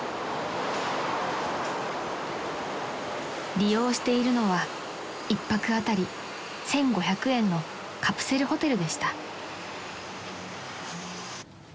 ［利用しているのは１泊あたり１，５００円のカプセルホテルでした］